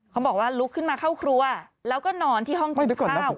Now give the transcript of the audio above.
เขาบอกว่าลุกขึ้นมาเข้าครัวแล้วก็นอนที่ห้องกินข้าว